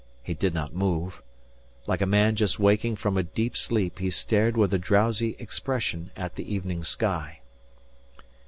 He did not move. Like a man just waking from a deep sleep he stared with a drowsy expression at the evening sky.